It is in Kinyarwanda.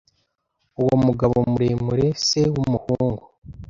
Uwo mugabo muremure se wumuhungu?